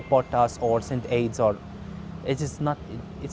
seperti mendukung kami atau mengirim aids